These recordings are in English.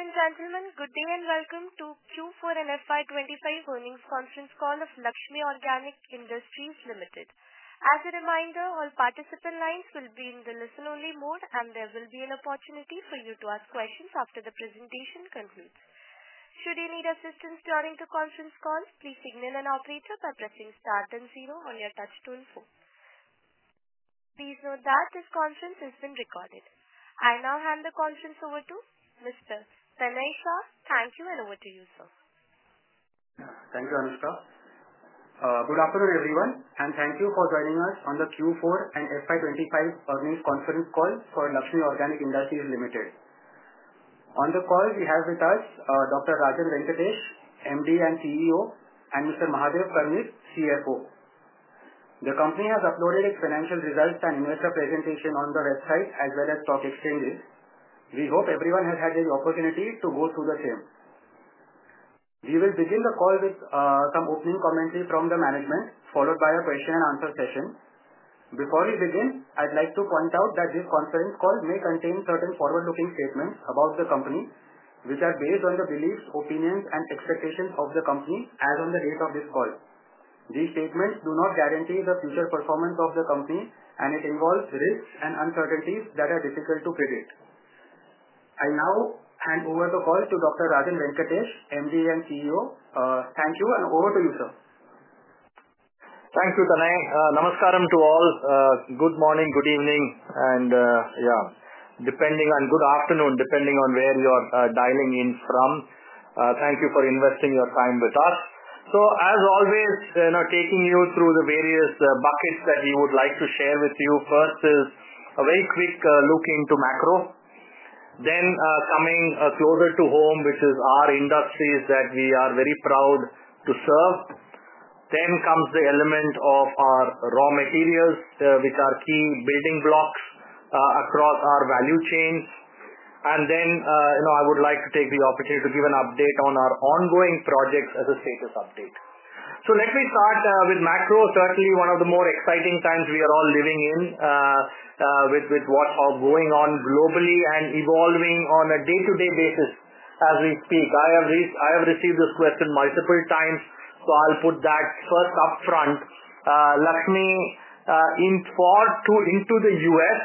Ladies and gentlemen, good day and welcome to Q4 FY 2025 earnings conference call of Laxmi Organic Industries Limited. As a reminder, all participant lines will be in the listen-only mode, and there will be an opportunity for you to ask questions after the presentation concludes. Should you need assistance during the conference call, please signal an operator by pressing star and zero on your touch-tone phone. Please note that this conference has been recorded. I now hand the conference over to Mr. Pranay Shah. Thank you, and over to you, sir. Thank you, Anushka. Good afternoon, everyone, and thank you for joining us on the Q4 and FY 2025 earnings conference call for Laxmi Organic Industries Limited. On the call, we have with us Dr. Rajan Venkatesh, MD and CEO, and Mr. Mahadeo Karnik, CFO. The company has uploaded its financial results and investor presentation on the website as well as stock exchanges. We hope everyone has had the opportunity to go through the same. We will begin the call with some opening commentary from the management, followed by a question-and-answer session. Before we begin, I'd like to point out that this conference call may contain certain forward-looking statements about the company, which are based on the beliefs, opinions, and expectations of the company as on the date of this call. These statements do not guarantee the future performance of the company, and it involves risks and uncertainties that are difficult to predict. I now hand over the call to Dr. Rajan Venkatesh, MD and CEO. Thank you, and over to you, sir. Thank you, [Tanushree]. Thank you, Tanushree. Namaskaram to all. Good morning, good evening, and yeah, depending on good afternoon, depending on where you're dialing in from. Thank you for investing your time with us. As always, taking you through the various buckets that we would like to share with you. First is a very quick look into macro. Then coming closer to home, which is our industries that we are very proud to serve. Then comes the element of our raw materials, which are key building blocks across our value chains. I would like to take the opportunity to give an update on our ongoing projects as a status update. Let me start with macro. Certainly, one of the more exciting times we are all living in with what's going on globally and evolving on a day-to-day basis as we speak. I have received this question multiple times, so I'll put that first upfront. Laxmi, in far too into the U.S.,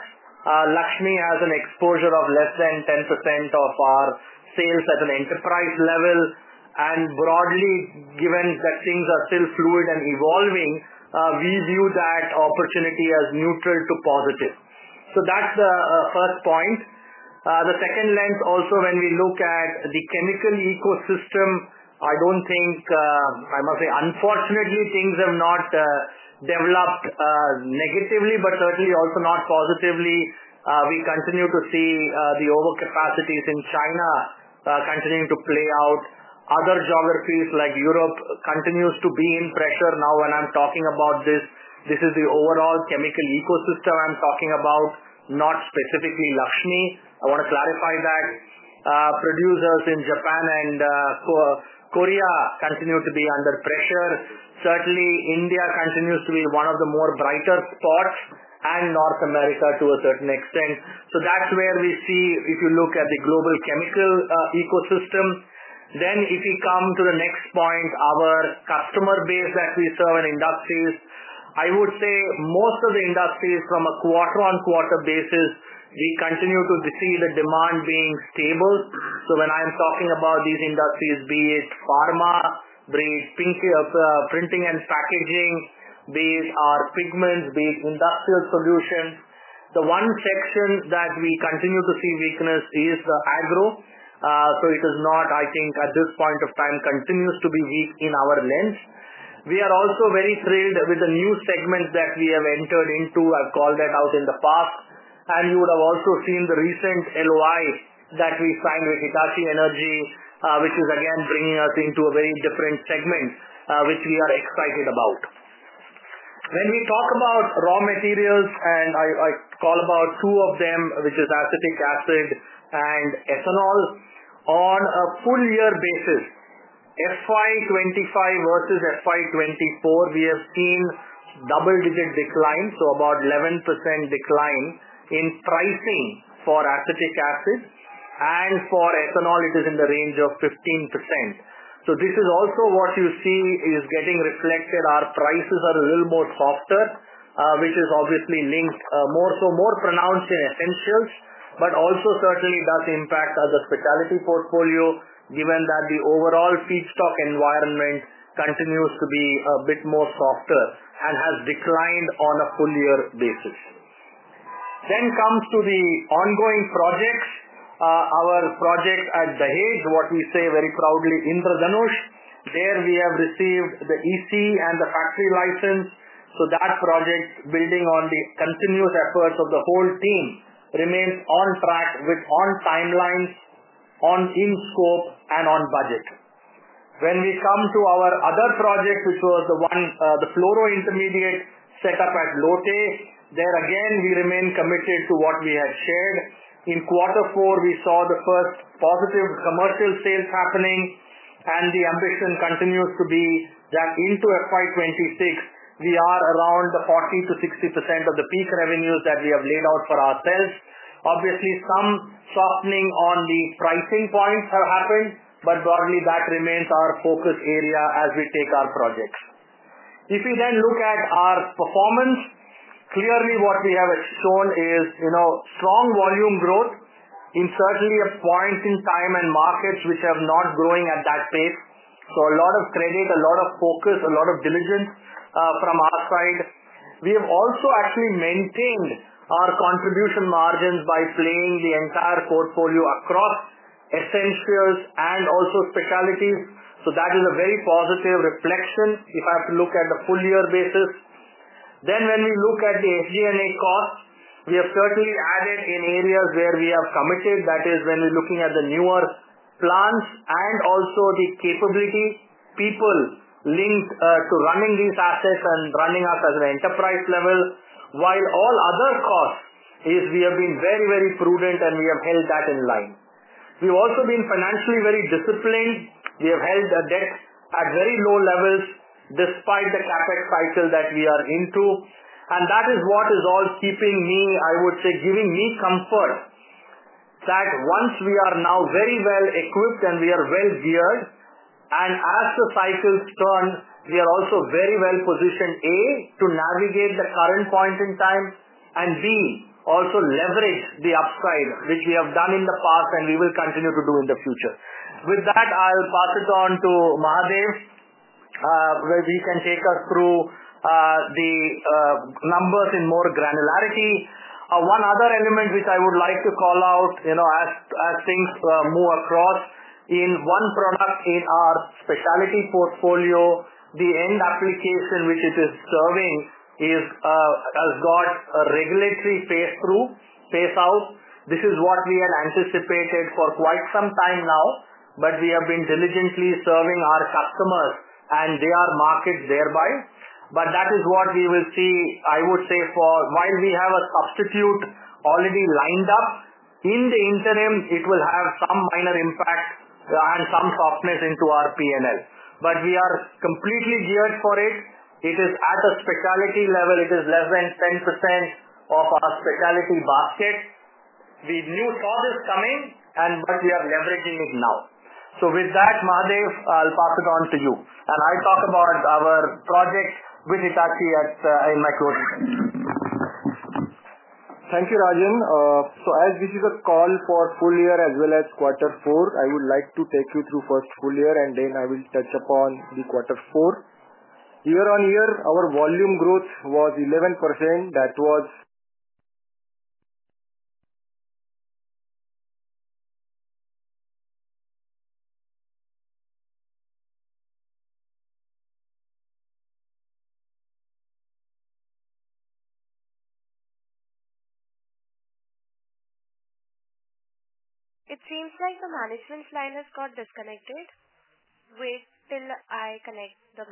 Laxmi has an exposure of less than 10% of our sales at an enterprise level. Broadly, given that things are still fluid and evolving, we view that opportunity as neutral to positive. That's the first point. The second lens, also when we look at the chemical ecosystem, I don't think, I must say, unfortunately, things have not developed negatively, but certainly also not positively. We continue to see the overcapacities in China continuing to play out. Other geographies like Europe continue to be in pressure. Now, when I'm talking about this, this is the overall chemical ecosystem I'm talking about, not specifically Laxmi. I want to clarify that. Producers in Japan and Korea continue to be under pressure. Certainly, India continues to be one of the more brighter spots, and North America to a certain extent. That is where we see, if you look at the global chemical ecosystem. If we come to the next point, our customer base that we serve and industries, I would say most of the industries from a quarter-on-quarter basis, we continue to see the demand being stable. When I'm talking about these industries, be it pharma, be it printing and packaging, be it our pigments, be it industrial solutions, the one section that we continue to see weakness is the agro. It is not, I think, at this point of time, continues to be weak in our lens. We are also very thrilled with the new segment that we have entered into. I've called that out in the past. You would have also seen the recent LOI that we signed with Hitachi Energy, which is again bringing us into a very different segment, which we are excited about. When we talk about raw materials, and I call about two of them, which are acetic acid and ethanol, on a full-year basis, FY 2025 versus FY 2024, we have seen double-digit declines, so about 11% decline in pricing for acetic acid. For ethanol, it is in the range of 15%. This is also what you see is getting reflected. Our prices are a little more softer, which is obviously linked more so more pronounced in essentials, but also certainly does impact other specialty portfolio, given that the overall feedstock environment continues to be a bit more softer and has declined on a full-year basis. Then comes to the ongoing projects. Our project at Dahej, what we say very proudly, Indradhanush, there we have received the EC and the factory license. That project, building on the continuous efforts of the whole team, remains on track with on timelines, on in scope, and on budget. When we come to our other project, which was the fluoro intermediate setup at Lotte, there again, we remain committed to what we had shared. In Q4, we saw the first positive commercial sales happening, and the ambition continues to be that into FY 2026, we are around the 40%-60% of the peak revenues that we have laid out for ourselves. Obviously, some softening on the pricing points have happened, but broadly, that remains our focus area as we take our projects. If we then look at our performance, clearly what we have shown is strong volume growth in certainly a point in time and markets which have not been growing at that pace. A lot of credit, a lot of focus, a lot of diligence from our side. We have also actually maintained our contribution margins by playing the entire portfolio across essentials and also specialties. That is a very positive reflection if I have to look at the full-year basis. When we look at the SG&A costs, we have certainly added in areas where we have committed, that is when we're looking at the newer plants and also the capability people linked to running these assets and running us as an enterprise level, while all other costs is we have been very, very prudent and we have held that in line. We've also been financially very disciplined. We have held debt at very low levels despite the CapEx cycle that we are into. That is what is all keeping me, I would say, giving me comfort that once we are now very well equipped and we are well geared, and as the cycles turn, we are also very well positioned, A, to navigate the current point in time, and B, also leverage the upside, which we have done in the past and we will continue to do in the future. With that, I'll pass it on to Mahadeo, where he can take us through the numbers in more granularity. One other element which I would like to call out as things move across in one product in our specialty portfolio, the end application which it is serving has got a regulatory phase through, phase out. This is what we had anticipated for quite some time now, but we have been diligently serving our customers and their markets thereby. That is what we will see, I would say, for while we have a substitute already lined up in the interim, it will have some minor impact and some softness into our P&L. We are completely geared for it. It is at a specialty level. It is less than 10% of our specialty basket. We saw this coming, but we are leveraging it now. With that, Mahadeo, I'll pass it on to you. I'll talk about our project with Hitachi in my closing sentence. Thank you, Rajan. As this is a call for full year as well as Q4, I would like to take you through first full year, and then I will touch upon the Q4. year-on-year, our volume growth was 11%. That was. It seems like the management line has got disconnected. Wait till I connect the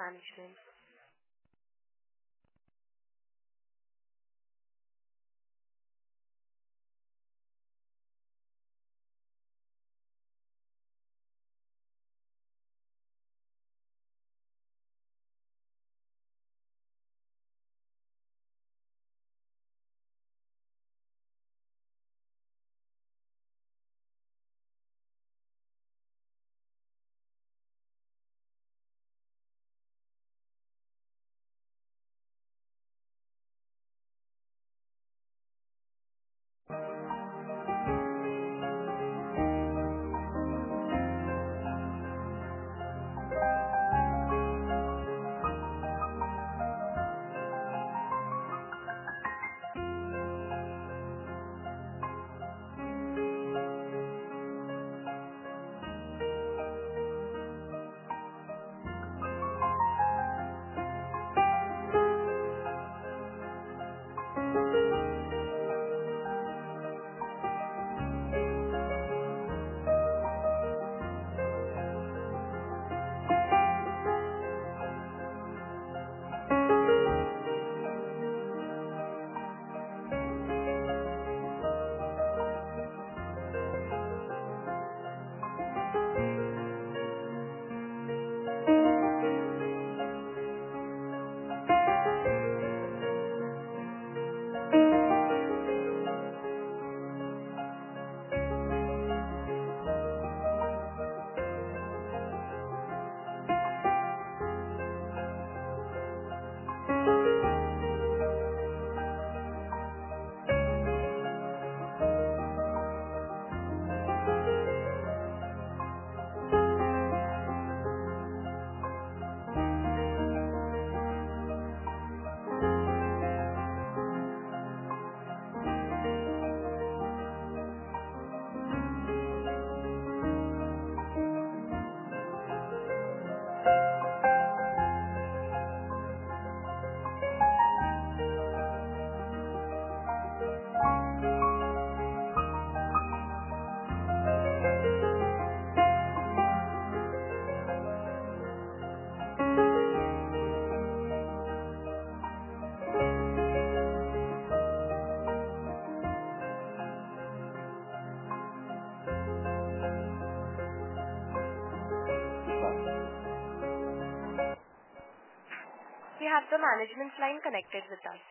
management. We have the management line connected with us.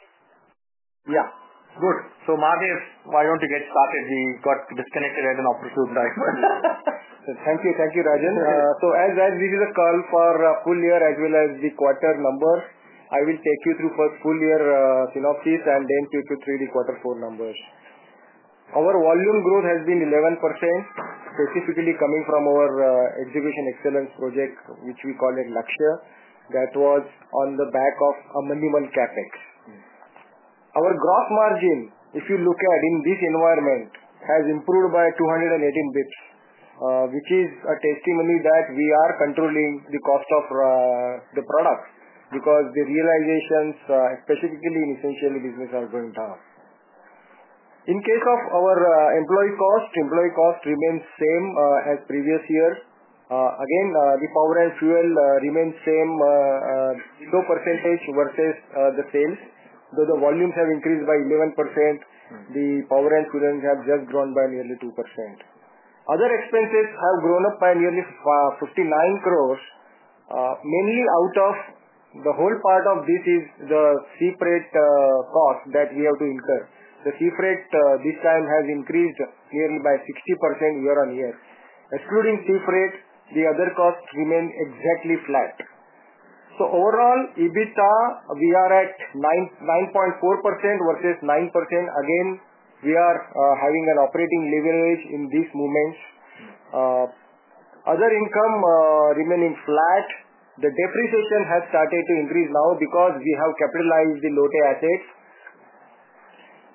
Yeah. Good. So Mahadeo, why do not you get started? We got disconnected at an opportune time. Thank you, Rajan. As this is a call for full year as well as the quarter numbers, I will take you through first full year synopsis and then take you through the Q4 numbers. Our volume growth has been 11%, specifically coming from our exhibition excellence project, which we call it Luxure, that was on the back of a minimal CapEx. Our gross margin, if you look at in this environment, has improved by 218 basis points, which is a testimony that we are controlling the cost of the product because the realizations, specifically in essential business, are going down. In case of our employee cost, employee cost remains same as previous year. Again, the power and fuel remain same, low percentage versus the sales. Though the volumes have increased by 11%, the power and fuel have just grown by nearly 2%. Other expenses have grown up by nearly 590 million, mainly out of the whole part of this is the sea freight cost that we have to incur. The sea freight this time has increased nearly by 60% year-on-year. Excluding sea freight, the other costs remain exactly flat. Overall, EBITDA, we are at 9.4% versus 9%. Again, we are having an operating leverage in these moments. Other income remaining flat. The depreciation has started to increase now because we have capitalized the Lotte assets.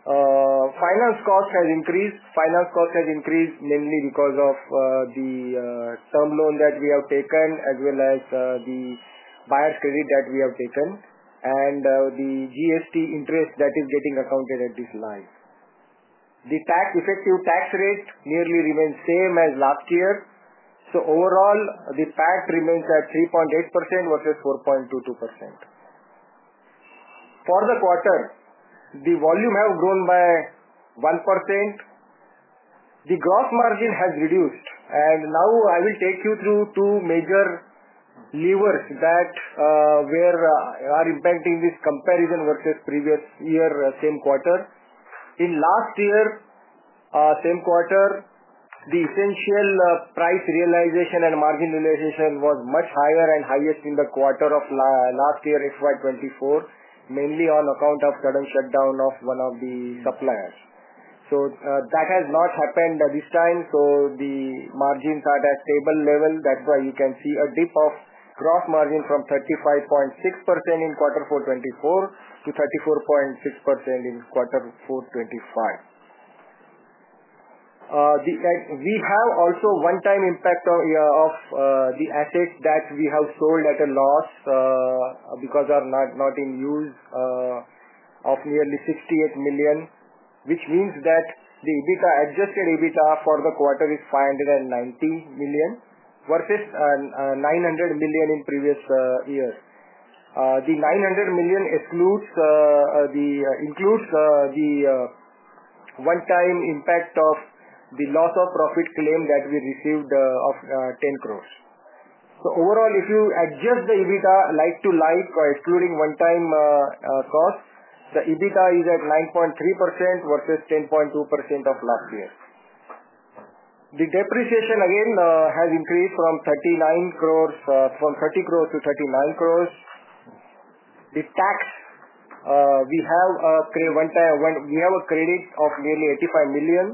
Finance cost has increased. Finance cost has increased mainly because of the term loan that we have taken as well as the buyer's credit that we have taken and the GST interest that is getting accounted at this line. The effective tax rate nearly remains same as last year. Overall, the PAT remains at 3.8% versus 4.22%. For the quarter, the volume has grown by 1%. The gross margin has reduced. Now I will take you through two major levers that are impacting this comparison versus previous year, same quarter. In last year, same quarter, the essential price realization and margin realization was much higher and highest in the quarter of last year, FY2024, mainly on account of sudden shutdown of one of the suppliers. That has not happened this time. The margins are at a stable level. That is why you can see a dip of gross margin from 35.6% in Q4 2024 to 34.6% in Q4 2025. We have also one-time impact of the assets that we have sold at a loss because are not in use of nearly 68 million, which means that the adjusted EBITDA for the quarter is 590 million versus 900 million in previous year. The 900 million includes the one-time impact of the loss of profit claim that we received of 100 million. Overall, if you adjust the EBITDA like to like, excluding one-time cost, the EBITDA is at 9.3% versus 10.2% of last year. The depreciation again has increased from 300 million to 390 million. The tax, we have a credit of nearly 85 million.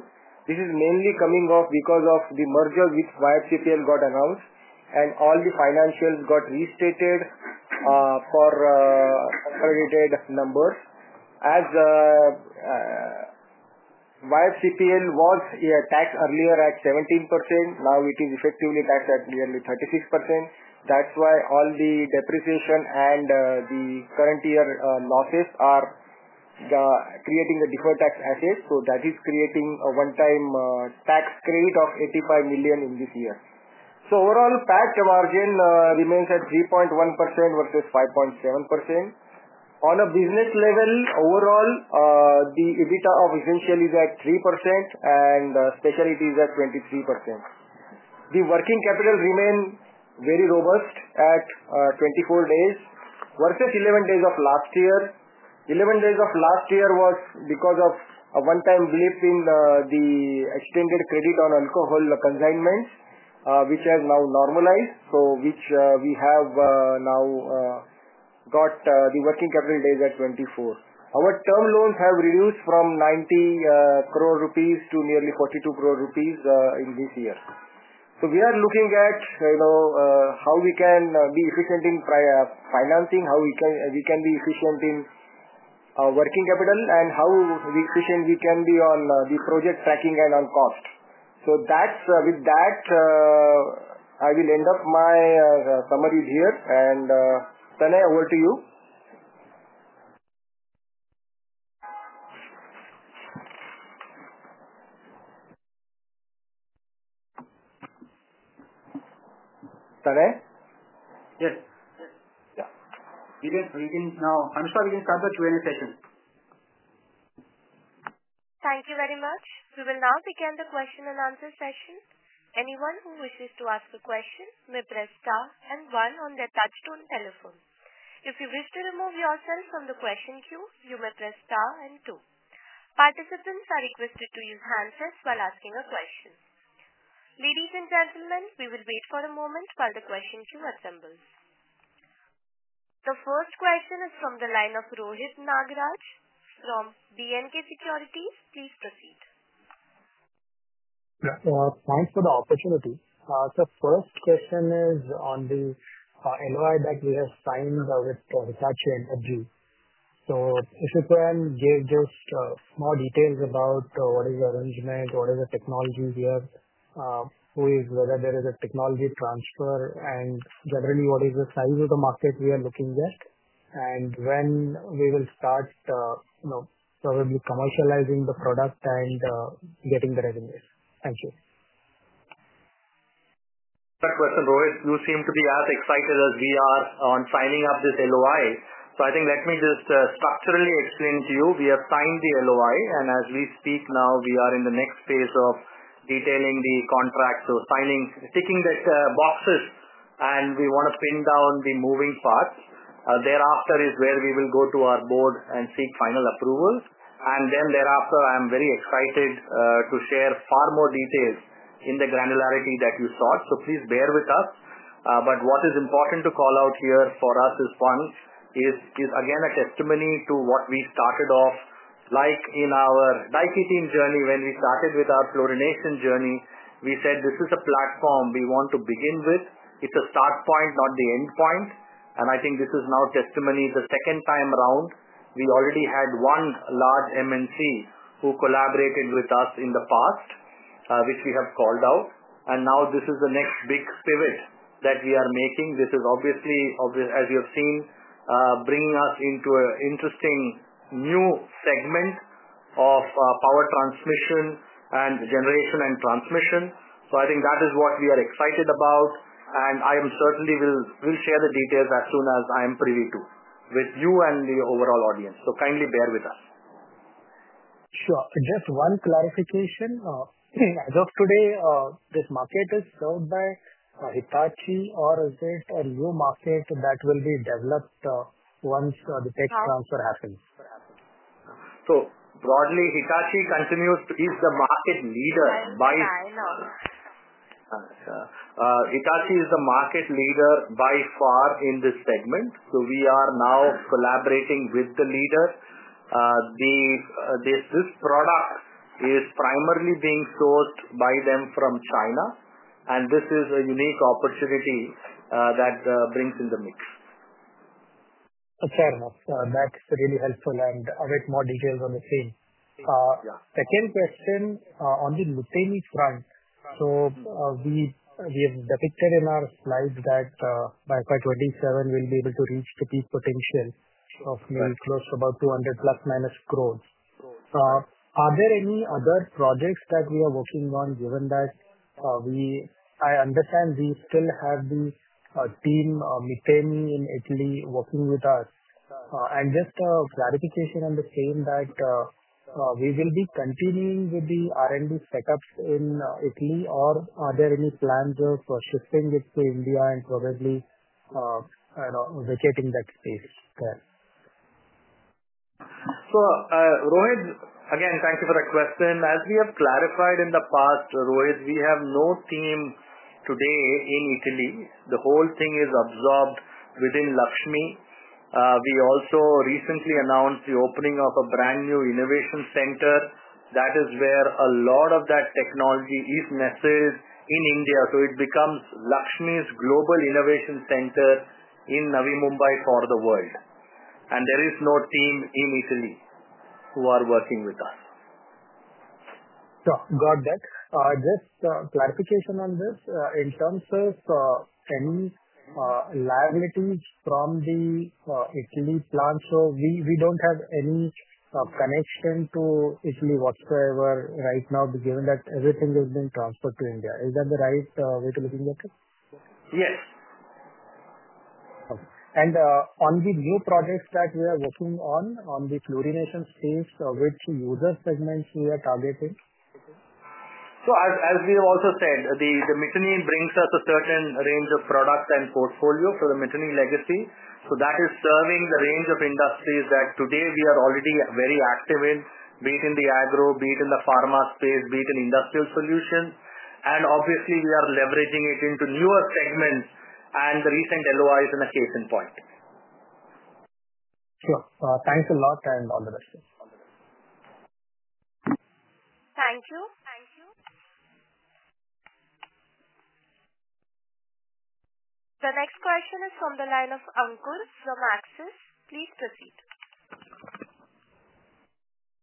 This is mainly coming off because of the merger with YFCPL got announced, and all the financials got restated for accredited numbers. As YFCPL was taxed earlier at 17%, now it is effectively taxed at nearly 36%. That is why all the depreciation and the current year losses are creating a deferred tax asset. That is creating a one-time tax credit of 85 million in this year. Overall, PAT margin remains at 3.1% versus 5.7%. On a business level, overall, the EBITDA of essential is at 3%, and specialty is at 23%. The working capital remains very robust at 24 days versus 11 days of last year. 11 days of last year was because of a one-time blip in the extended credit on alcohol consignments, which has now normalized, so which we have now got the working capital days at 24. Our term loans have reduced from 90 crore rupees to nearly 42 crore rupees in this year. We are looking at how we can be efficient in financing, how we can be efficient in working capital, and how efficient we can be on the project tracking and on cost. With that, I will end up my summary here, and [Tanushree], over to you. [Tanushree?] Yes. We can now, Anushka, we can start the Q&A session. Thank you very much. We will now begin the question and answer session. Anyone who wishes to ask a question may press star and one on their touchstone telephone. If you wish to remove yourself from the question queue, you may press star and two. Participants are requested to use handsets while asking a question. Ladies and gentlemen, we will wait for a moment while the question queue assembles. The first question is from the line of Rohit Nagraj from B&K Securities. Please proceed. Thanks for the opportunity. The first question is on the LOI that we have signed with Hitachi Energy. If you can give just more details about what is the arrangement, what is the technology here, whether there is a technology transfer, and generally what is the size of the market we are looking at, and when we will start probably commercializing the product and getting the revenues. Thank you. Question, Rohit, you seem to be as excited as we are on signing up this LOI. I think let me just structurally explain to you. We have signed the LOI, and as we speak now, we are in the next phase of detailing the contract, so ticking the boxes, and we want to pin down the moving parts. Thereafter is where we will go to our board and seek final approval. Thereafter, I'm very excited to share far more details in the granularity that you sought. Please bear with us. What is important to call out here for us is, one, it is again a testimony to what we started off like in our Daikin journey when we started with our fluorination journey. We said, "This is a platform we want to begin with. It's a start point, not the end point." I think this is now testimony the second time around. We already had one large MNC who collaborated with us in the past, which we have called out. Now this is the next big pivot that we are making. This is obviously, as you have seen, bringing us into an interesting new segment of power transmission and generation and transmission. I think that is what we are excited about. I certainly will share the details as soon as I am privy to them with you and the overall audience. Kindly bear with us. Sure. Just one clarification. As of today, this market is served by Hitachi, or is it a new market that will be developed once the tech transfer happens? Broadly, Hitachi continues to be the market leader by. Yeah, I know. Hitachi Energy is the market leader by far in this segment. We are now collaborating with the leader. This product is primarily being sourced by them from China, and this is a unique opportunity that brings in the mix. Fair enough. That's really helpful, and I'll wait for more details on the same. Second question on the lithium front. We have depicted in our slides that by 2027, we'll be able to reach the peak potential of maybe close to about 2 billion plus minus. Are there any other projects that we are working on given that I understand we still have the team Miteni in Italy working with us? Just a clarification on the same, that we will be continuing with the R&D setups in Italy, or are there any plans of shifting it to India and probably vacating that space there? Rohit, again, thank you for the question. As we have clarified in the past, Rohit, we have no team today in Italy. The whole thing is absorbed within Laxmi. We also recently announced the opening of a brand new innovation center. That is where a lot of that technology is nested in India. It becomes Laxmi's global innovation center in Navi Mumbai for the world. There is no team in Italy who are working with us. Got that. Just clarification on this. In terms of any liabilities from the Italy plant, we do not have any connection to Italy whatsoever right now given that everything is being transferred to India. Is that the right way to looking at it? Yes. Okay. On the new projects that we are working on, on the fluorination space, which user segments are we targeting? As we have also said, the Miteni brings us a certain range of products and portfolio for the Miteni legacy. That is serving the range of industries that today we are already very active in, be it in the agro, be it in the pharma space, be it in industrial solutions. Obviously, we are leveraging it into newer segments, and the recent LOI is an occasion point. Sure. Thanks a lot and all the best. Thank you. The next question is from the line of Ankur from Axis. Please proceed.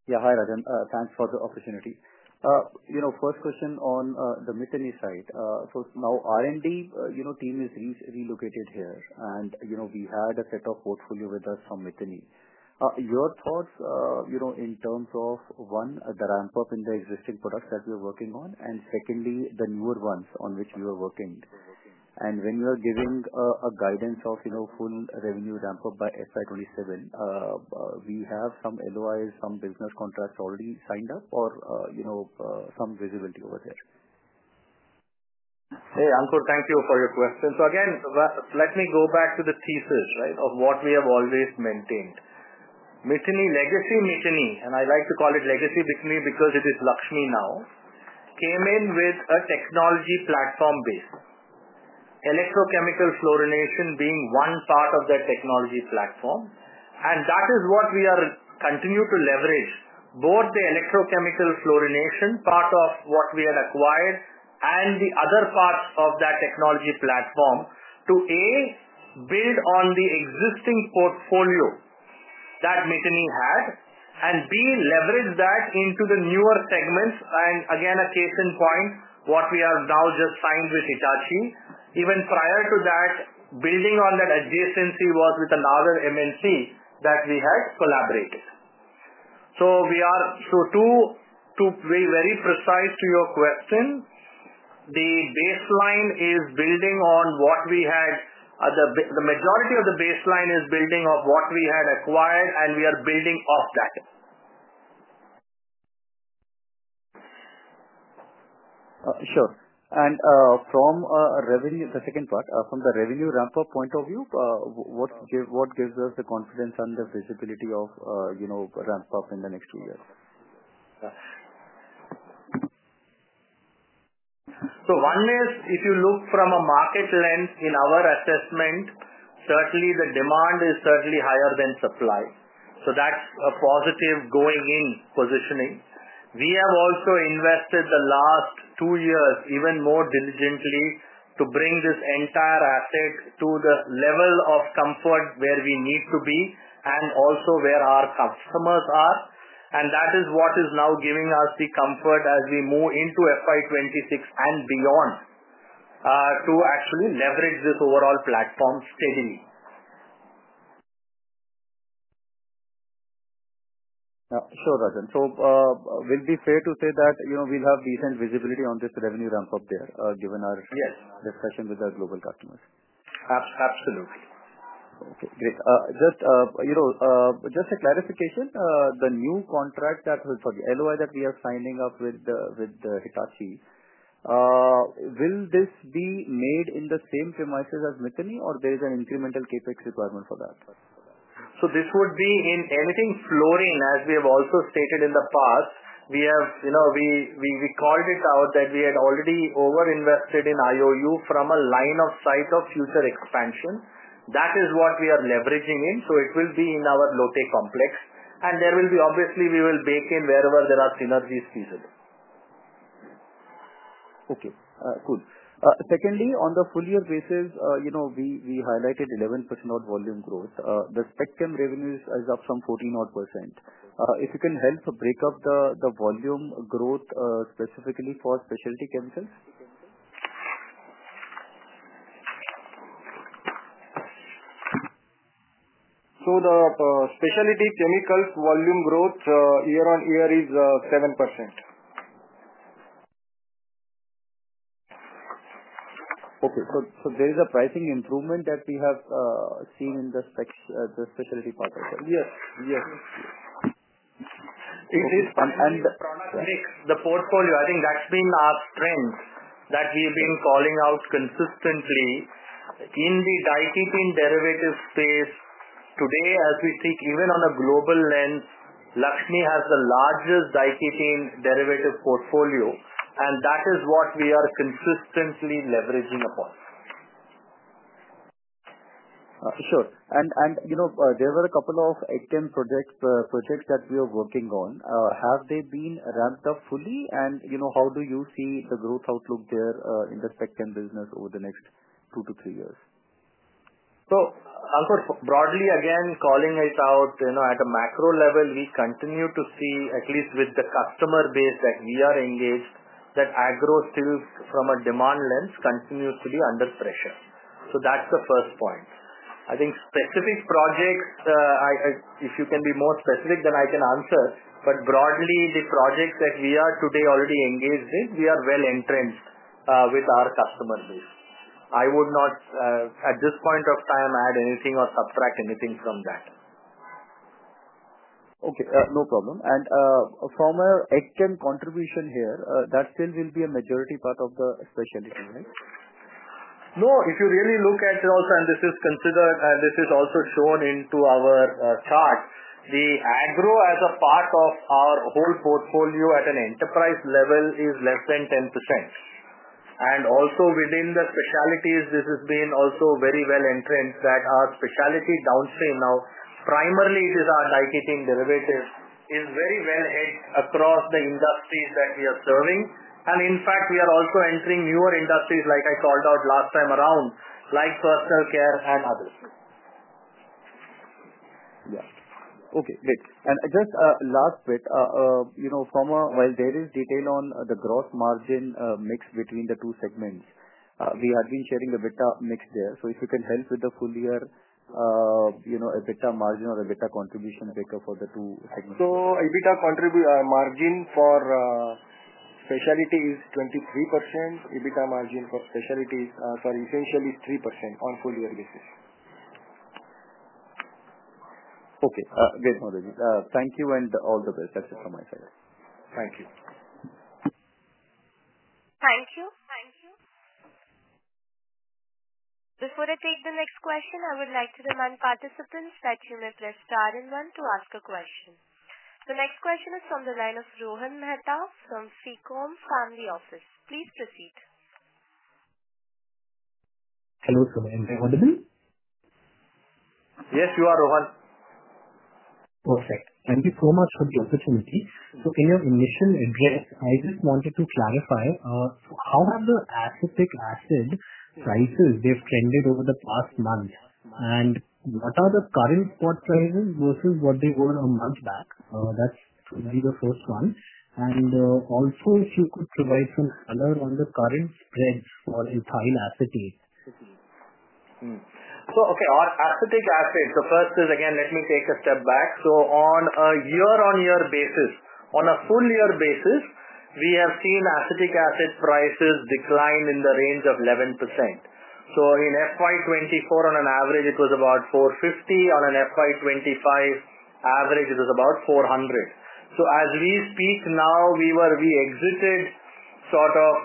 Yeah, hi, Rajan. Thanks for the opportunity. First question on the Miteni side. Now the R&D team is relocated here, and we had a set of portfolio with us from Miteni. Your thoughts in terms of, one, the ramp-up in the existing products that we are working on, and secondly, the newer ones on which we are working. When you are giving a guidance of full revenue ramp-up by FY 2027, do we have some LOIs, some business contracts already signed up, or some visibility over there? Hey, Ankur, thank you for your question. Again, let me go back to the thesis, right, of what we have always maintained. Miteni, legacy Miteni, and I like to call it legacy Miteni because it is Laxmi now, came in with a technology platform base, electrochemical fluorination being one part of that technology platform. That is what we are continuing to leverage, both the electrochemical fluorination part of what we had acquired and the other parts of that technology platform to, A, build on the existing portfolio that Miteni had, and B, leverage that into the newer segments. Again, a case in point, what we have now just signed with Hitachi. Even prior to that, building on that adjacency was with another MNC that we had collaborated. To be very precise to your question, the baseline is building on what we had. The majority of the baseline is building of what we had acquired, and we are building off that. Sure. From the second part, from the revenue ramp-up point of view, what gives us the confidence and the visibility of ramp-up in the next few years? If you look from a market lens in our assessment, certainly the demand is certainly higher than supply. That is a positive going in positioning. We have also invested the last two years even more diligently to bring this entire asset to the level of comfort where we need to be and also where our customers are. That is what is now giving us the comfort as we move into FY 2026 and beyond to actually leverage this overall platform steadily. Sure, Rajan. So will it be fair to say that we'll have decent visibility on this revenue ramp-up there given our discussion with our global customers? Absolutely. Okay. Great. Just a clarification, the new contract for the LOI that we are signing up with Hitachi, will this be made in the same premises as Miteni, or there is an incremental CapEx requirement for that? This would be in anything fluorine, as we have also stated in the past. We have called it out that we had already over-invested in IOU from a line of sight of future expansion. That is what we are leveraging in. It will be in our Lotte complex. There will be, obviously, we will bake in wherever there are synergies feasible. Okay. Cool. Secondly, on the full-year basis, we highlighted 11% of volume growth. The spec chem revenues are up from 14%. If you can help break up the volume growth specifically for specialty chemicals? The specialty chemicals volume growth year-on-year is 7%. Okay. So there is a pricing improvement that we have seen in the specialty part? Yes. Yes. It is, and the portfolio, I think that's been our strength that we have been calling out consistently in the Daikin derivative space. Today as we speak, even on a global lens, Laxmi has the largest Daikin derivative portfolio, and that is what we are consistently leveraging upon. Sure. There were a couple of chem projects that we are working on. Have they been ramped up fully, and how do you see the growth outlook there in the spec chem business over the next two to three years? Ankur, broadly again, calling it out at a macro level, we continue to see, at least with the customer base that we are engaged, that agro still from a demand lens continues to be under pressure. That is the first point. I think specific projects, if you can be more specific, then I can answer. Broadly, the projects that we are today already engaged in, we are well entrenched with our customer base. I would not, at this point of time, add anything or subtract anything from that. Okay. No problem. From our chem contribution here, that still will be a majority part of the specialty, right? No. If you really look at it also, and this is considered, and this is also shown into our chart, the agro as a part of our whole portfolio at an enterprise level is less than 10%. Also within the specialties, this has been also very well entrenched that our specialty downstream now, primarily it is our Daikin derivative, is very well hit across the industries that we are serving. In fact, we are also entering newer industries, like I called out last time around, like personal care and others. Yeah. Okay. Great. Just last bit, while there is detail on the gross margin mix between the two segments, we had been sharing a EBITDA mix there. If you can help with the full-year EBITDA margin or the EBITDA contribution taker for the two segments. EBITDA margin for specialty is 23%. EBITDA margin for specialty is, sorry, essentially 3% on full-year basis. Okay. Great, Mahadeo. Thank you, and all the best. That's it from my side. Thank you. Thank you. Before I take the next question, I would like to remind participants that you may press star and one to ask a question. The next question is from the line of [Rohan Mehta from Secom] Family Office. Please proceed. Hello, Sir[I'm I audible] Yes, you are, Rohan. Perfect. Thank you so much for the opportunity. In your initial address, I just wanted to clarify, how have the acetic acid prices trended over the past month? What are the current spot prices versus what they were a month back? That's the first one. Also, if you could provide some color on the current spreads for ethyl acetate. Okay, acetic acid, the first is, again, let me take a step back. On a year-on-year basis, on a full-year basis, we have seen acetic acid prices decline in the range of 11%. In FY 2024, on an average, it was about 450. On an FY 2025 average, it was about 400. As we speak now, we exited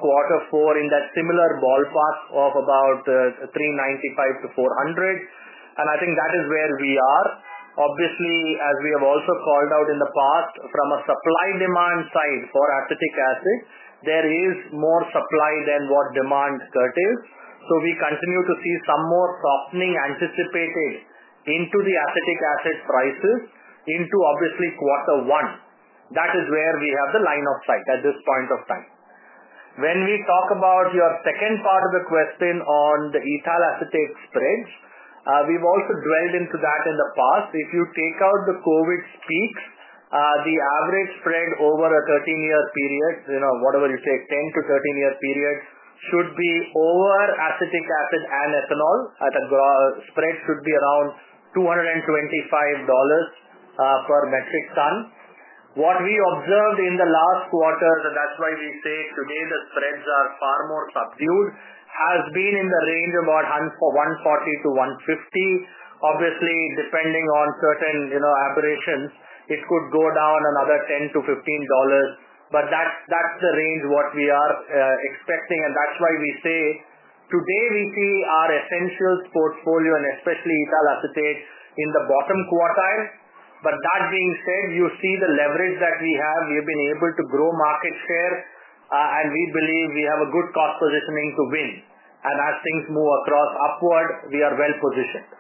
quarter four in that similar ballpark of about 395- 400. I think that is where we are. Obviously, as we have also called out in the past, from a supply-demand side for acetic acid, there is more supply than what demand curtails. We continue to see some more softening anticipated into the acetic acid prices into, obviously, quarter one. That is where we have the line of sight at this point of time. When we talk about your second part of the question on the ethyl acetate spreads, we've also dwelled into that in the past. If you take out the COVID peaks, the average spread over a 13-year period, whatever you take, 10-13 year period, should be over acetic acid and ethanol. The spread should be around $225 per metric ton. What we observed in the last quarter, and that's why we say today the spreads are far more subdued, has been in the range of about $140-$150. Obviously, depending on certain aberrations, it could go down another $10-$15. That is the range we are expecting. That is why we say today we see our essentials portfolio, and especially ethyl acetate, in the bottom quartile. That being said, you see the leverage that we have. We have been able to grow market share, and we believe we have a good cost positioning to win. As things move across upward, we are well positioned.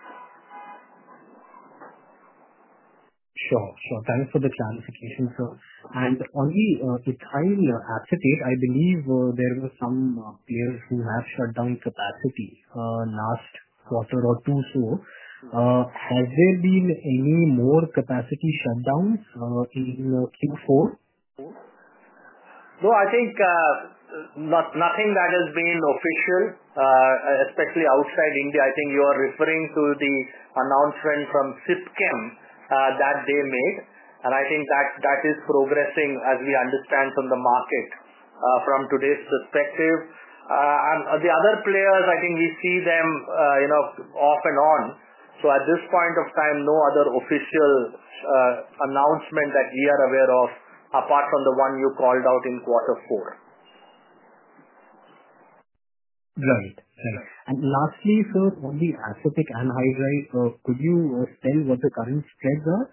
Sure. Sure. Thanks for the clarification, sir. On the ethyl acetate, I believe there were some players who have shut down capacity last quarter or two or so. Has there been any more capacity shutdowns in Q4? No, I think nothing that has been official, especially outside India. I think you are referring to the announcement from Sipchem that they made. I think that is progressing, as we understand from the market from today's perspective. The other players, I think we see them off and on. At this point of time, no other official announcement that we are aware of apart from the one you called out in quarter four. Got it. Got it. Lastly, sir, on the acetic anhydride, could you tell what the current spreads are?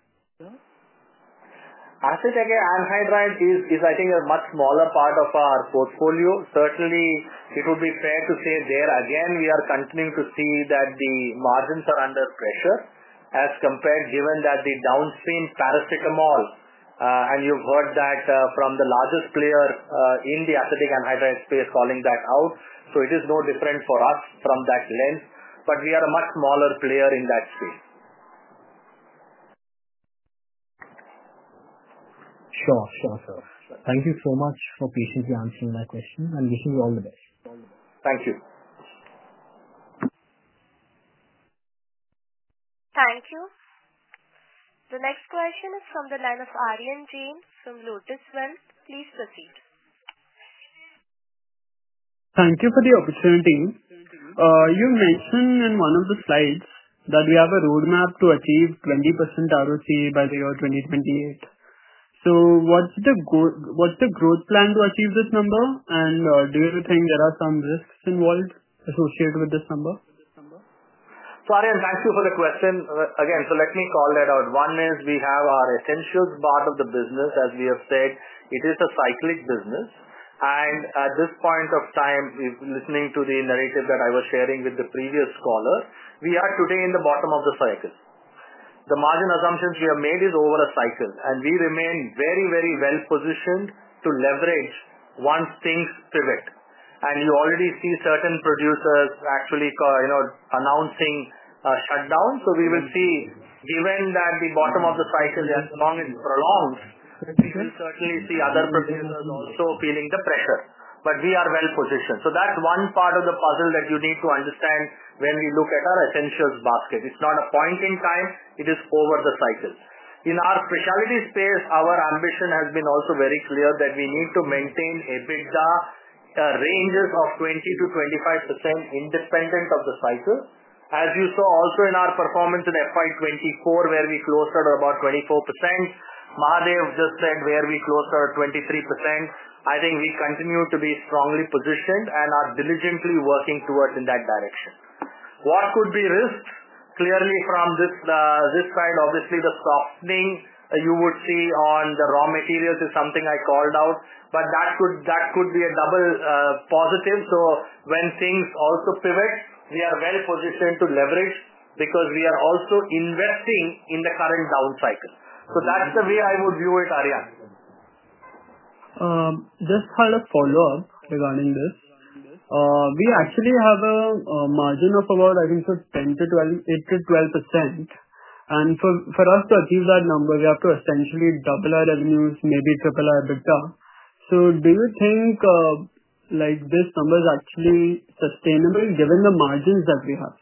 Acetic anhydride is, I think, a much smaller part of our portfolio. Certainly, it would be fair to say there, again, we are continuing to see that the margins are under pressure as compared, given that the downstream paracetamol, and you've heard that from the largest player in the acetic anhydride space calling that out. It is no different for us from that lens. We are a much smaller player in that space. Sure. Sure, sir. Thank you so much for patiently answering my question. Thank you and wishing you all the best. Thank you. Thank you. The next question is from the line of Arian James from Lotus Wealth. Please proceed. Thank you for the opportunity. You mentioned in one of the slides that we have a roadmap to achieve 20% ROC by the year 2028. What's the growth plan to achieve this number? Do you think there are some risks involved associated with this number? Arian, thank you for the question. Again, let me call that out. One is we have our essentials part of the business, as we have said. It is a cyclic business. At this point of time, listening to the narrative that I was sharing with the previous caller, we are today in the bottom of the cycle. The margin assumptions we have made are over a cycle. We remain very, very well positioned to leverage once things pivot. You already see certain producers actually announcing shutdowns. We will see, given that the bottom of the cycle has long prolonged, we will certainly see other producers also feeling the pressure. We are well positioned. That is one part of the puzzle that you need to understand when we look at our essentials basket. It is not a point in time. It is over the cycle. In our specialty space, our ambition has been also very clear that we need to maintain EBITDA ranges of 20%-25% independent of the cycle. As you saw also in our performance in FY 2024, where we closed at about 24%, Mahadeo just said where we closed at 23%. I think we continue to be strongly positioned and are diligently working towards in that direction. What could be risks? Clearly, from this side, obviously, the softening you would see on the raw materials is something I called out. That could be a double positive. When things also pivot, we are well positioned to leverage because we are also investing in the current down cycle. That is the way I would view it, Arian. Just to follow up regarding this, we actually have a margin of about, I think, 10%-12%. For us to achieve that number, we have to essentially double our revenues, maybe triple our EBITDA. Do you think this number is actually sustainable given the margins that we have?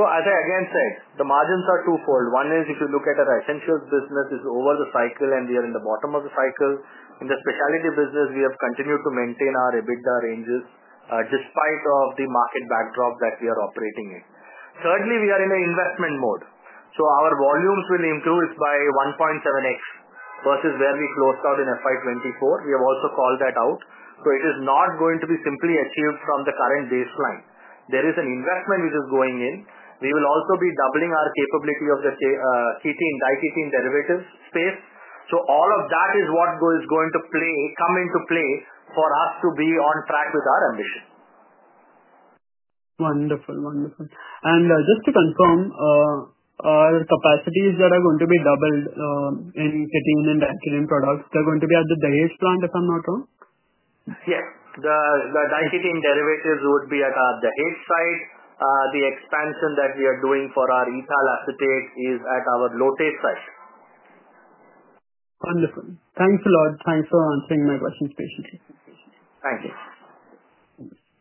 As I again said, the margins are twofold. One is if you look at our essentials business, it is over the cycle, and we are in the bottom of the cycle. In the specialty business, we have continued to maintain our EBITDA ranges despite the market backdrop that we are operating in. Thirdly, we are in an investment mode. Our volumes will increase by 1.7x versus where we closed out in FY 2024. We have also called that out. It is not going to be simply achieved from the current baseline. There is an investment which is going in. We will also be doubling our capability of the ketene and Daikin derivatives space. All of that is what is going to come into play for us to be on track with our ambition. Wonderful. Wonderful. And just to confirm, our capacities that are going to be doubled in diketene and diketene derivative products, they're going to be at the Dahej plant, if I'm not wrong? Yes. The Daikin derivatives would be at our Dahej site. The expansion that we are doing for our ethyl acetate is at our Lote site. Wonderful. Thanks a lot. Thanks for answering my questions patiently. Thank you.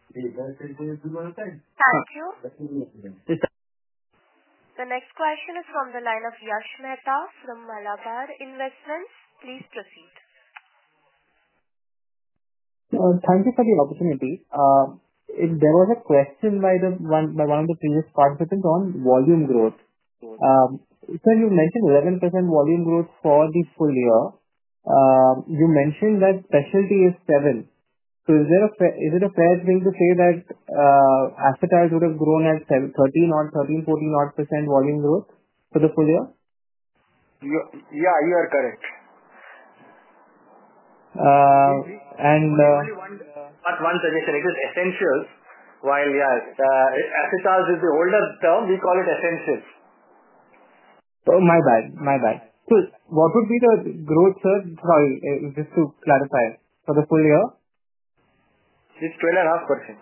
Thank you. The next question is from the line of Yash Mehta from Malabar Investments. Please proceed. Thank you for the opportunity. There was a question by one of the previous participants on volume growth. You mentioned 11% volume growth for the full year. You mentioned that specialty is seven. Is it a fair thing to say that acetides would have grown at 13% or 13%-14% volume growth for the full year? Yeah, you are correct. And. But one suggestion. It is essential. While acetales is the older term, we call it essentials. Oh, my bad. My bad. So what would be the growth, sir? Sorry, just to clarify, for the full year? It's 12.5%.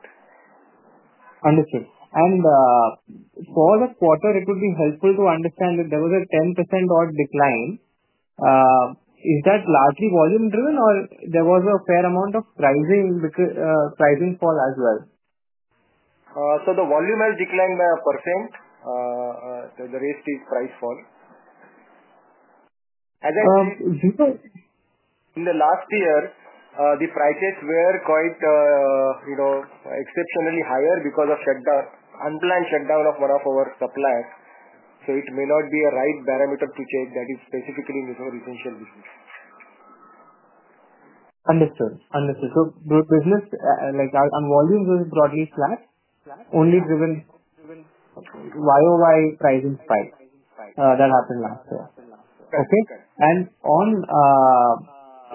Understood. For the quarter, it would be helpful to understand that there was a 10% odd decline. Is that largely volume-driven, or was there a fair amount of pricing fall as well? The volume has declined by 1%. The rest is price fall, as I said. [Do you know?] In the last year, the prices were quite exceptionally higher because of unplanned shutdown of one of our suppliers. It may not be a right parameter to check that, it's specifically in essential business. Understood. Understood. Business on volume was broadly flat, only driven by YoY pricing spike that happened last year.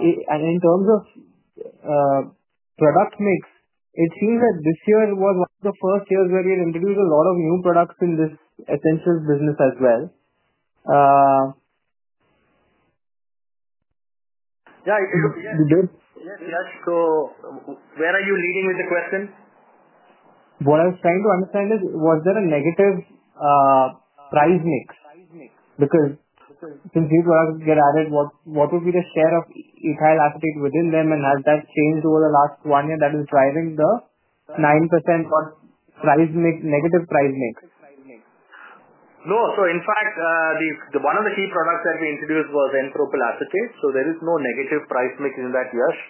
In terms of product mix, it seems that this year was one of the first years where you introduced a lot of new products in this essentials business as well. Yeah. Yes. Yes. Where are you leading with the question? What I was trying to understand is, was there a negative price mix? Because since these products get added, what would be the share of ethyl acetate within them, and has that changed over the last one year that is driving the 9% negative price mix? No. In fact, one of the key products that we introduced was n-propyl acetate. There is no negative price mix in that, Yash.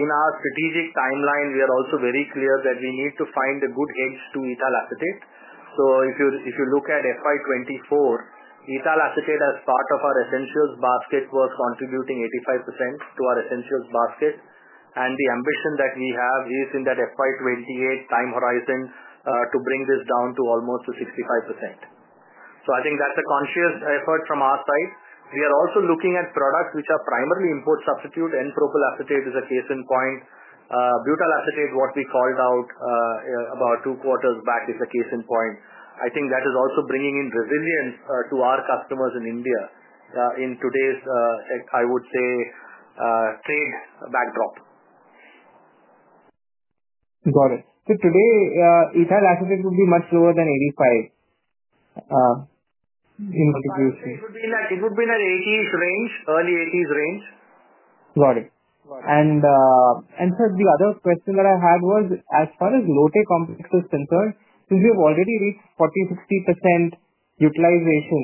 In our strategic timeline, we are also very clear that we need to find a good hedge to ethyl acetate. If you look at FY 2024, ethyl acetate as part of our essentials basket was contributing 85% to our essentials basket. The ambition that we have is in that FY 2028 time horizon to bring this down to almost 65%. I think that is a conscious effort from our side. We are also looking at products which are primarily import substitute. n-Propyl acetate is a case in point. Butyl acetate, which we called out about two quarters back, is a case in point. I think that is also bringing in resilience to our customers in India in today's, I would say, trade backdrop. Got it. Today, ethyl acetate would be much lower than 85%. It would be in an 80-82 range, early 80s range. Got it. Sir, the other question that I had was, as far as Lotus complex is concerned, since we have already reached 40%-60% utilization,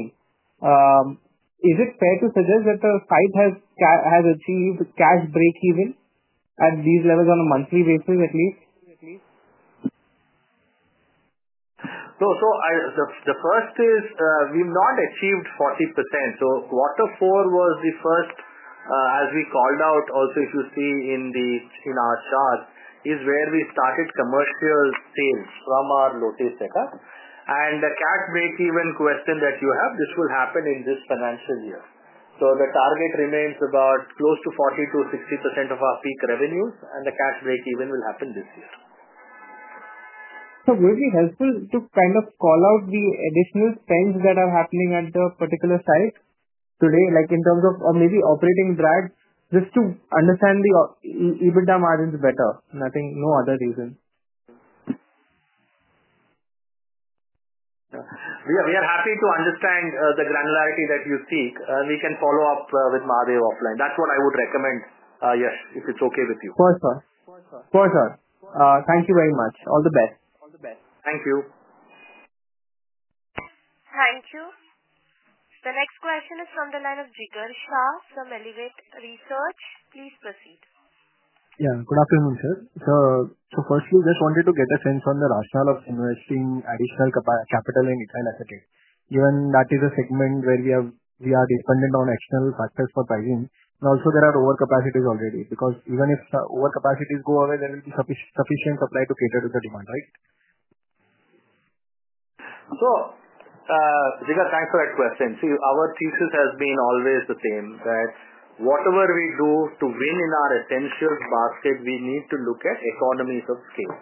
is it fair to suggest that the site has achieved cash break-even at these levels on a monthly basis, at least? No. The first is we've not achieved 40%. Quarter four was the first, as we called out also, if you see in our chart, is where we started commercial sales from our Lotus setup. The cash break-even question that you have, this will happen in this financial year. The target remains about close to 40%-60% of our peak revenues, and the cash break-even will happen this year. Would it be helpful to kind of call out the additional spends that are happening at the particular site today, like in terms of maybe operating drag, just to understand the EBITDA margins better? No other reason. We are happy to understand the granularity that you seek. We can follow up with Mahadeo offline. That's what I would recommend, Yash, if it's okay with you. For sure. Thank you very much. All the best. Thank you. Thank you. The next question is from the line of Jigar Shah from Elevate Research. Please proceed. Yeah. Good afternoon, sir. Firstly, just wanted to get a sense on the rationale of investing additional capital in ethyl acetate. Even that is a segment where we are dependent on external factors for pricing. Also, there are overcapacities already. Because even if overcapacities go away, there will be sufficient supply to cater to the demand, right? Jigar, thanks for that question. See, our thesis has been always the same that whatever we do to win in our essentials basket, we need to look at economies of scale.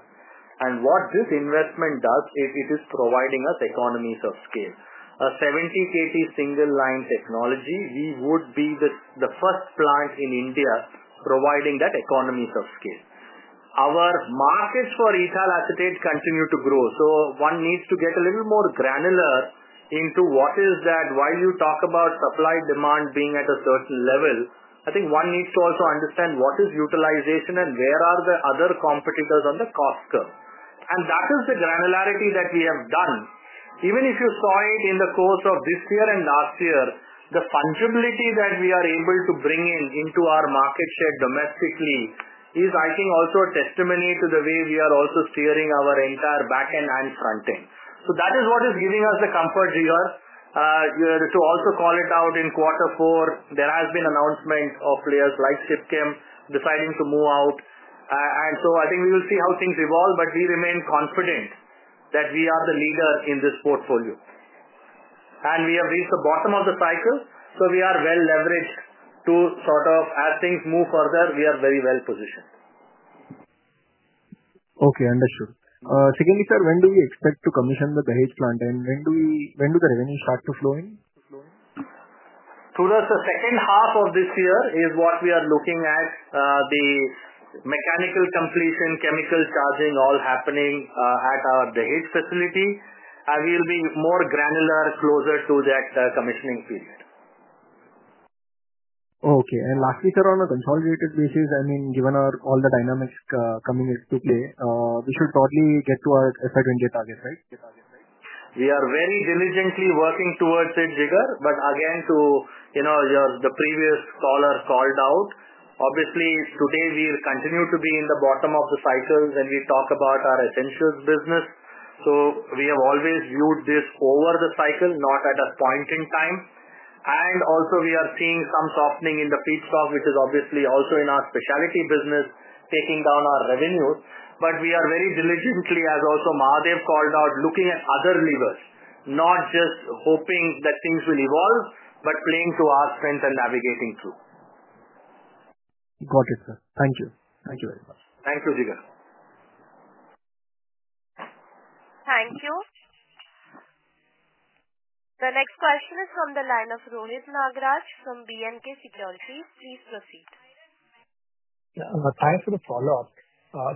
What this investment does, it is providing us economies of scale. A 70 KT single-line technology, we would be the first plant in India providing that economies of scale. Our markets for ethyl acetate continue to grow. One needs to get a little more granular into what is that while you talk about supply-demand being at a certain level, I think one needs to also understand what is utilization and where are the other competitors on the cost curve. That is the granularity that we have done. Even if you saw it in the course of this year and last year, the fungibility that we are able to bring into our market share domestically is, I think, also a testimony to the way we are also steering our entire backend and frontend. That is what is giving us the comfort, Jigar, to also call it out in quarter four. There has been announcement of players like Sipchem deciding to move out. I think we will see how things evolve, but we remain confident that we are the leader in this portfolio. We have reached the bottom of the cycle, so we are well leveraged to sort of, as things move further, we are very well positioned. Okay. Understood. Secondly, sir, when do we expect to commission the Dahej plant? And when do the revenues start to flow in? Through the second half of this year is what we are looking at, the mechanical completion, chemical charging all happening at our Dahej facility. We will be more granular closer to that commissioning period. Okay. Lastly, sir, on a consolidated basis, I mean, given all the dynamics coming into play, we should probably get to our FY 2028 target, right? We are very diligently working towards it, Jigar. However, to the previous caller called out, obviously, today we continue to be in the bottom of the cycle when we talk about our essentials business. We have always viewed this over the cycle, not at a point in time. Also, we are seeing some softening in the feedstock, which is obviously also in our specialty business, taking down our revenues. We are very diligently, as also Mahadeo called out, looking at other levers, not just hoping that things will evolve, but playing to our strength and navigating through. Got it, sir. Thank you. Thank you very much. Thank you, Jigar. Thank you. The next question is from the line of Rohit Nagraj from B&K Securities. Please proceed. Thanks for the follow-up.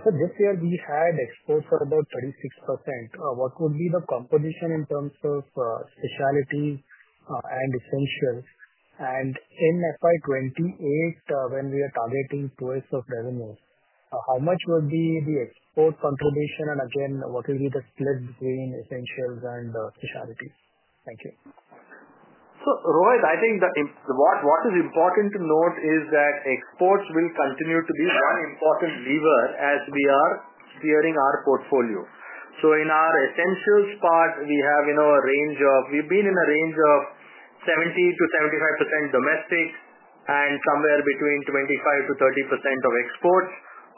This year, we had exports of about 36%. What would be the composition in terms of specialty and essentials? In FY 2028, when we are targeting twice of revenues, how much would be the export contribution? What will be the split between essentials and specialty? Thank you. Rohit, I think what is important to note is that exports will continue to be one important lever as we are steering our portfolio. In our essentials part, we have a range of 70%-75% domestic and somewhere between 25%-30% of exports.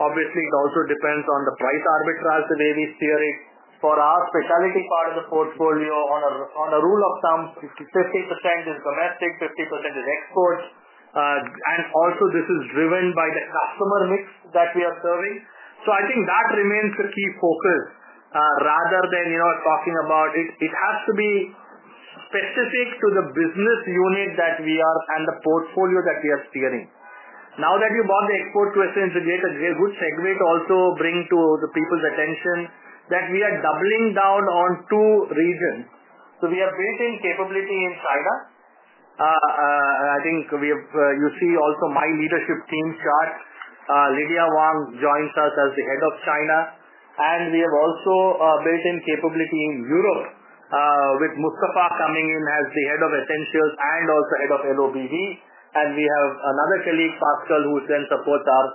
Obviously, it also depends on the price arbitrage, the way we steer it. For our specialty part of the portfolio, on a rule of thumb, 50% is domestic, 50% is exports. Also, this is driven by the customer mix that we are serving. I think that remains the key focus rather than talking about it has to be specific to the business unit that we are and the portfolio that we are steering. Now that you brought the export question, it's a good segue to also bring to the people's attention that we are doubling down on two regions. We have built-in capability in China. I think you see also my leadership team chart. Lydia Wang joins us as the head of China. We have also built-in capability in Europe with Mustafa coming in as the head of essentials and also head of LOBV. We have another colleague, Pascal, who then supports our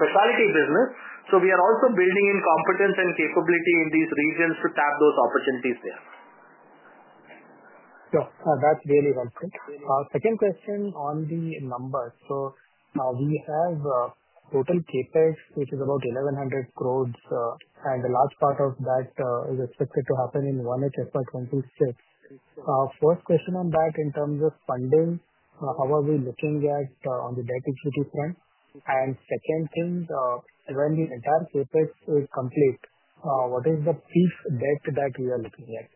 specialty business. We are also building in competence and capability in these regions to tap those opportunities there. That's really well put. Second question on the numbers. We have total CapEx, which is about 1,100 crore, and a large part of that is expected to happen in one HSR 2026. First question on that, in terms of funding, how are we looking at on the debt equity front? Second thing, when the entire CapEx is complete, what is the peak debt that we are looking at?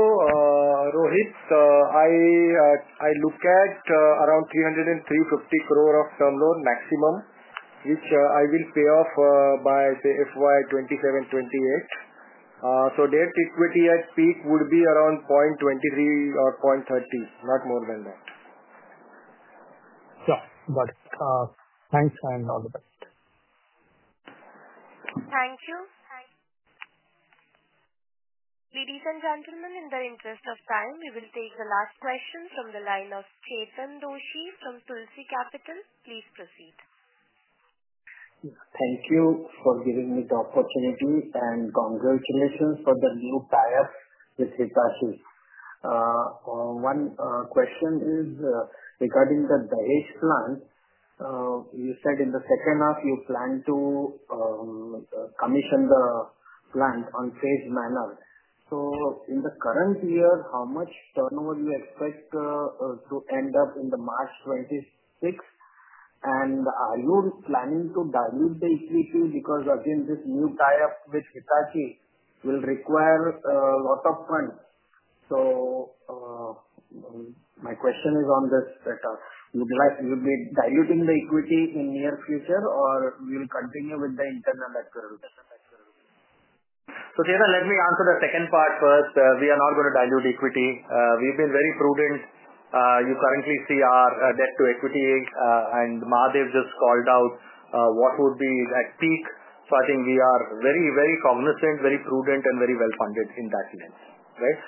Rohit, I look at around 300 crore-350 crore of term loan maximum, which I will pay off by, say, FY 2027-2028. Debt equity at peak would be around 0.23 or 0.30, not more than that. Got it. Got it. Thanks and all the best. Thank you. Ladies and gentlemen, in the interest of time, we will take the last question from the line of Chetan Doshi from Tulsi Capital. Please proceed. Thank you for giving me the opportunity and congratulations for the new pair with Hitachi. One question is regarding the Dahej plant. You said in the second half, you plan to commission the plant on phase manual. In the current year, how much turnover do you expect to end up in March 2026? Are you planning to dilute the equity? Because again, this new pair with Hitachi will require a lot of funds. My question is on this, that you'll be diluting the equity in the near future, or will you continue with the internal accrual? Cheta, let me answer the second part first. We are not going to dilute equity. We've been very prudent. You currently see our debt to equity, and Mahadeo just called out what would be at peak. I think we are very, very cognizant, very prudent, and very well funded in that sense, right?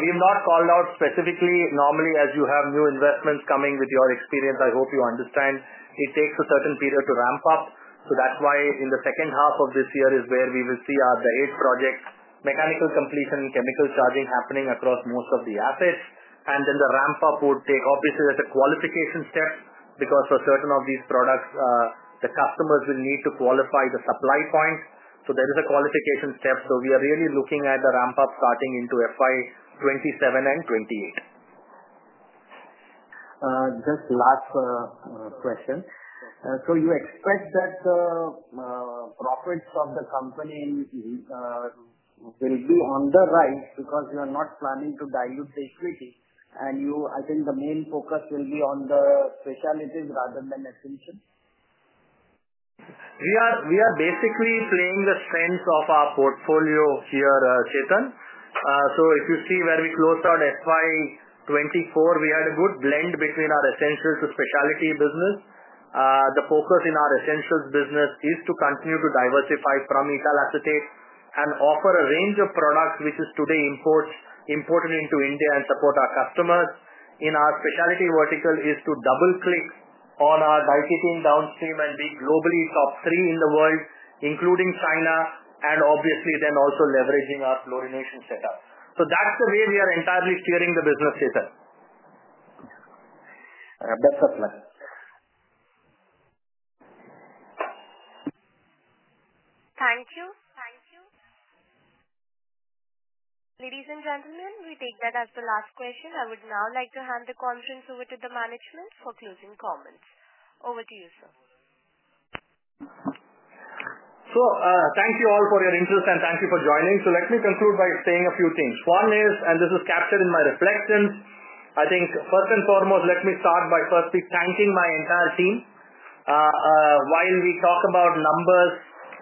We have not called out specifically. Normally, as you have new investments coming with your experience, I hope you understand, it takes a certain period to ramp up. That is why in the second half of this year is where we will see our Dahej project, mechanical completion, chemical charging happening across most of the assets. The ramp-up would take, obviously, there is a qualification step because for certain of these products, the customers will need to qualify the supply point. There is a qualification step. We are really looking at the ramp-up starting into FY2027 and 2028. Just last question. Do you expect that the profits of the company will be on the rise because you are not planning to dilute the equity? I think the main focus will be on the specialties rather than essentials? We are basically playing the strengths of our portfolio here, Chetan. If you see where we closed out FY24, we had a good blend between our essentials to specialty business. The focus in our essentials business is to continue to diversify from ethyl acetate and offer a range of products which is today imported into India and support our customers. In our specialty vertical, it is to double-click on our Dahej team downstream and be globally top three in the world, including China, and obviously then also leveraging our fluorination setup. That is the way we are entirely steering the business, Chetan. Best of luck. Thank you. Ladies and gentlemen, we take that as the last question. I would now like to hand the conference over to the management for closing comments. Over to you, sir. Thank you all for your interest and thank you for joining. Let me conclude by saying a few things. One is, and this is captured in my reflections, I think first and foremost, let me start by firstly thanking my entire team. While we talk about numbers,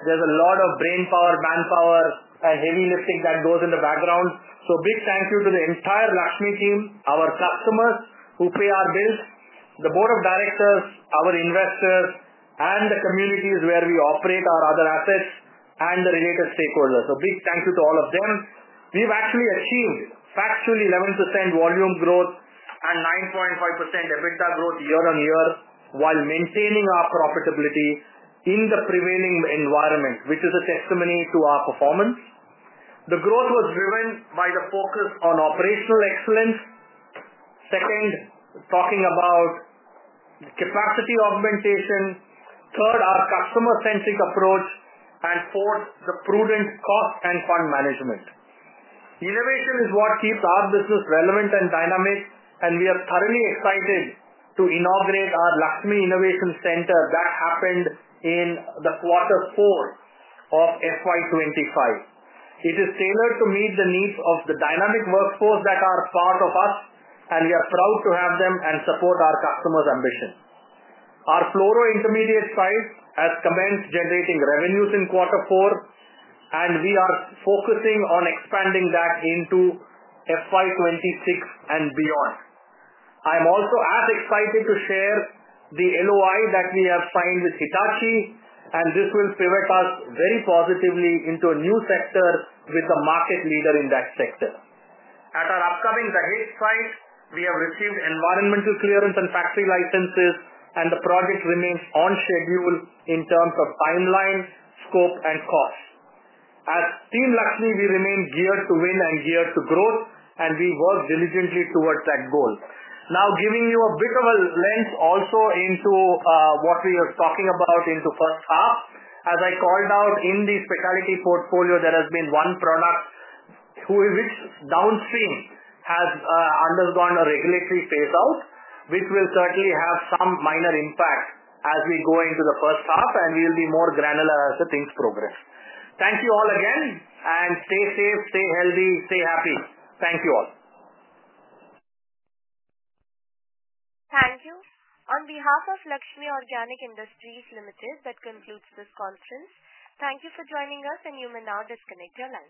there is a lot of brainpower, manpower, and heavy lifting that goes in the background. Big thank you to the entire Laxmi team, our customers who pay our bills, the board of directors, our investors, and the communities where we operate our other assets and the related stakeholders. Big thank you to all of them. We have actually achieved factually 11% volume growth and 9.5% EBITDA growth year-on-year while maintaining our profitability in the prevailing environment, which is a testimony to our performance. The growth was driven by the focus on operational excellence. Second, talking about capacity augmentation. Third, our customer-centric approach. Fourth, the prudent cost and fund management. Innovation is what keeps our business relevant and dynamic, and we are thoroughly excited to inaugurate our Laxmi Innovation Center that happened in quarter four of FY 2025. It is tailored to meet the needs of the dynamic workforce that are part of us, and we are proud to have them and support our customers' ambition. Our fluoro intermediate site has commenced generating revenues in quarter four, and we are focusing on expanding that into FY 2026 and beyond. I'm also as excited to share the LOI that we have signed with Hitachi Energy, and this will pivot us very positively into a new sector with a market leader in that sector. At our upcoming Dahej site, we have received environmental clearance and factory licenses, and the project remains on schedule in terms of timeline, scope, and cost. As Team Laxmi, we remain geared to win and geared to growth, and we work diligently towards that goal. Now, giving you a bit of a lens also into what we are talking about into first half, as I called out in the specialty portfolio, there has been one product which downstream has undergone a regulatory phase-out, which will certainly have some minor impact as we go into the first half, and we'll be more granular as the things progress. Thank you all again, and stay safe, stay healthy, stay happy. Thank you all. Thank you. On behalf of Laxmi Organic Industries Limited, that concludes this conference. Thank you for joining us, and you may now disconnect your line.